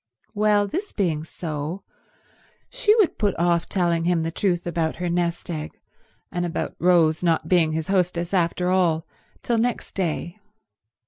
Well, this being so, she would put off telling him the truth about her nest egg, and about Rose not being his hostess after all, till next day.